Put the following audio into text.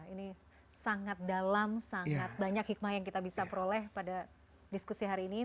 ini sangat dalam sangat banyak hikmah yang kita bisa peroleh pada diskusi hari ini